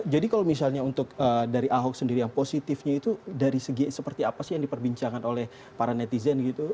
jadi kalau misalnya untuk dari ahok sendiri yang positifnya itu dari segi seperti apa sih yang diperbincangkan oleh para netizen gitu